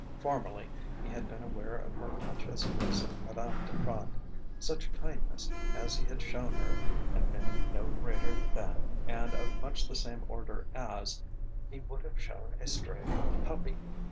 Formerly he had been aware of her much as he was of Madame Duprat; such kindness as he had shown her had been no greater than, and of much the same order as, he would have shown a stray puppy.